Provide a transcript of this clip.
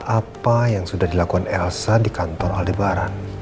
apa yang sudah dilakukan elsa di kantor alibaran